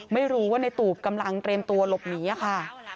ไม่รู้ว่าในตูบกำลังเตรียมตัวหลบหนีค่ะ